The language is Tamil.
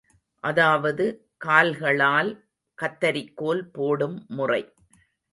அதாவது கால்களால் கத்தரிக்கோல் போடும் முறை.